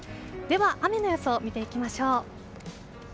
では、雨の予想見ていきましょう。